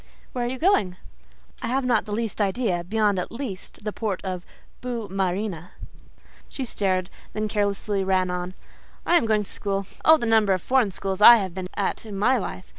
"Where are you going?" "I have not the least idea—beyond, at least, the port of Boue Marine." She stared, then carelessly ran on: "I am going to school. Oh, the number of foreign schools I have been at in my life!